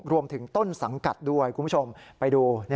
รวมถึงต้นสังกัดด้วยคุณผู้ชมไปดู